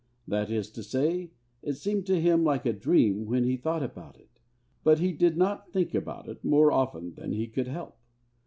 That is to say, it seemed to him like a dream when he thought about it; but he did not think about it more often than he could help.